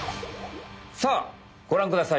さあごらんください。